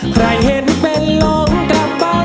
ใครเห็นเป็นหลงกระป๋อง